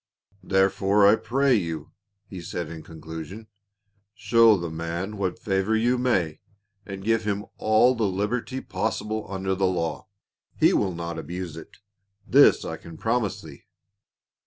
"Therefore I pray you," he said in conclusion, "show the man what favor you may, and give him all the liberty pos sible under the law ; he will not abuse it, this I can promise thee."